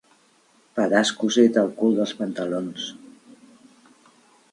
Pedaç cosit al cul dels pantalons.